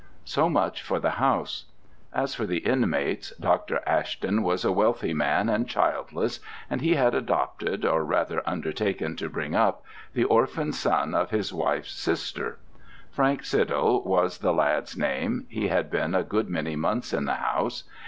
So much for the house. As for the inmates, Dr. Ashton was a wealthy man and childless, and he had adopted, or rather undertaken to bring up, the orphan son of his wife's sister. Frank Sydall was the lad's name: he had been a good many months in the house.